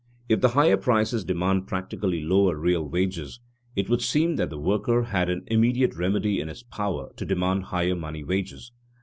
If the higher prices demanded practically lower real wages, it would seem that the worker had an immediate remedy in his power to demand higher money wages.